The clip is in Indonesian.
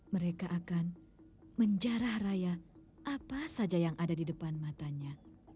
mereka akan menjarah raya apa saja yang ada di depan matanya